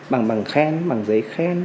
bằng bằng khen bằng giấy khen